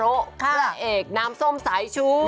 ค่ะผู้เอกน้ำส้มสายชู